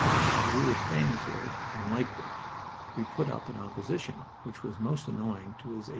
As we were paying for it and liked it, we put up an opposition which was most annoying to his A.